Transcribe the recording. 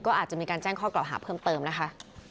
ก็อาจจะมีการแจ้งข้อกล่าวหาเพิ่มเติมนะคะ